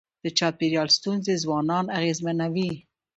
د چاپېریال ستونزې ځوانان اغېزمنوي.